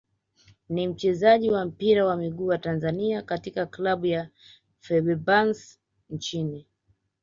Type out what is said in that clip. ni mchezaji wa mpira wa miguu wa Tanzania katika klabu ya Feberbahce nchini